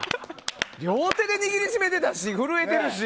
両手で握りしめていたし震えているし。